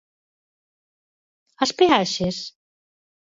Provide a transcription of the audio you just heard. ¿As peaxes?